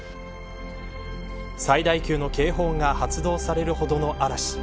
最大級の警報が発動されるほどの嵐。